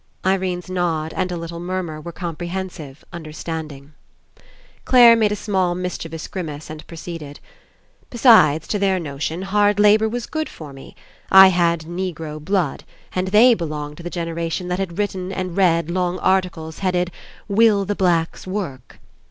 Irene's nod and little murmur were com prehensive, understanding. Clare made a small mischievous grim ace and proceeded. "Besides, to their notion, hard labour was good for me. I had Negro blood and they belonged to the generation that had written and read long articles headed: 'Will the Blacks Work?'